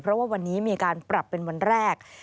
เพราะว่าวันนี้มีการปรับเป็นวันแรก